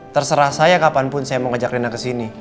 terserah saya kapanpun saya mau ngajak rena kesini